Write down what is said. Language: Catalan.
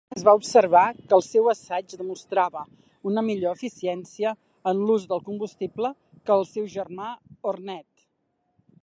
Es va observar que el seu assaig demostrava una millor eficiència en l'ús del combustible que el seu germà "Hornet".